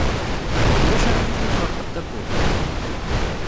Ulac aɣilif ma tɣelqeḍ tawwurt?